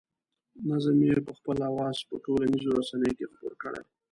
نظم یې په خپل اواز په ټولنیزو رسنیو کې خپور کړی.